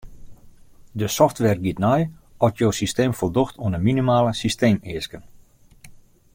De software giet nei oft jo systeem foldocht oan de minimale systeemeasken.